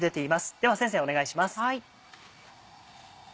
では先生お願いします。